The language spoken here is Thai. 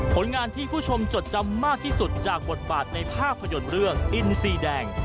ผลงานที่ผู้ชมจดจำมากที่สุดจากบทบาทในภาพยนตร์เรื่องอินซีแดง